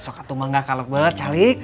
sokak tuh mah gak kalok banget calik